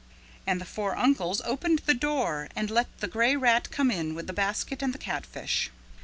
And the four uncles opened the door and let the gray rat come in with the basket and the catfish.